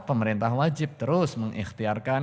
pemerintah wajib terus mengikhtiarkan